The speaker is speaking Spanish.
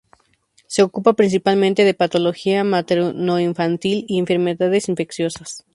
Se ocupa principalmente de patología maternoinfantil y enfermedades infecciosas.